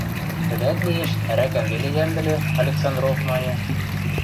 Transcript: – Тӹдӓт лиэш, ӓрӓкӓм веле йӓмдӹлӹ, – Александров маньы.